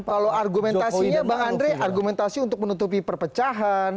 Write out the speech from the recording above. kalau argumentasinya bang andre argumentasi untuk menutupi perpecahan